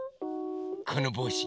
このぼうし。